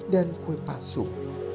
dan kue pasuk